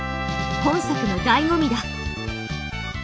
本作のだいご味だ。